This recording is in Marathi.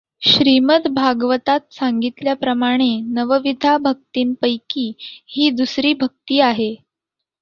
श्रीमद् भागवतात सांगितल्याप्रमाणे नवविधा भक्तींपैकी ही दुसरी भक्ती आहे.